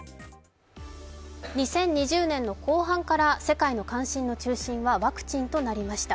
２０２０年の後半から世界の関心の中心はワクチンとなりました。